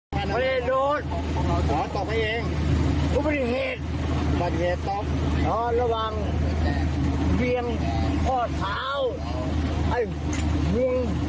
คุณลุ้งนี่อยากเป็นบรูซลีกังฟู